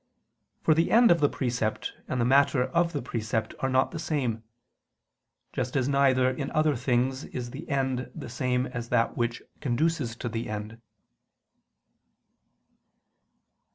For the end of the precept and the matter of the precept are not the same: just as neither in other things is the end the same as that which conduces to the end.